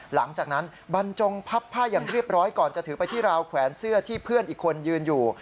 หลังจากนั้นบรรจงพับผ้าอย่างเรียบร้อยก่อนจะถือไปที่ราวแขวนเสื้อที่เพื่อนอีกคนยืนอยู่